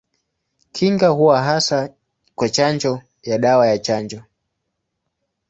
Kinga huwa hasa kwa chanjo ya dawa ya chanjo.